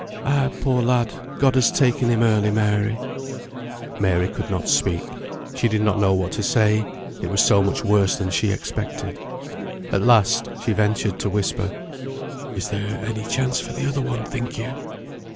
"Ay, poor lad! God has taken him early, Mary." Mary could not speak; she did not know what to say; it was so much worse than she expected. At last she ventured to whisper, "Is there any chance for the other one, think you?"